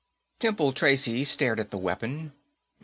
Temple Tracy stared at the weapon.